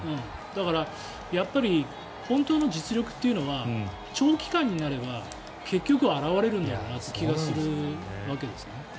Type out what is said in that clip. だからやっぱり本当の実力というのは長期間になれば結局は表れる気がするわけです。